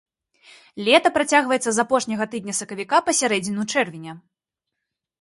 Лета працягваецца з апошняга тыдня сакавіка па сярэдзіну чэрвеня.